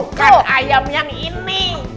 bukan ayam yang ini